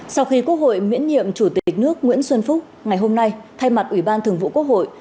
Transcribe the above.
sau khi quốc hội miễn nhiệm chủ tịch nước nguyễn xuân phúc ngày hôm nay thay mặt ủy ban thường vụ quốc hội